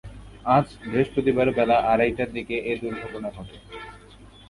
আজ বৃহস্পতিবার বেলা আড়াইটার দিকে এ দুর্ঘটনা ঘটে।